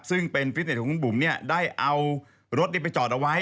ซึ่งเป็นฟิตเน็ตของคุณบุ๋มเนี่ยได้เอารถไปจอดเอาไว้